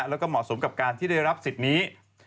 แล้วก็เหมาะสมกับการที่ได้รับสิทธิ์นี้